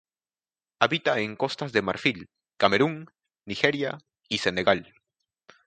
Habita en Costa de Marfil, Camerún, Nigeria y Senegal.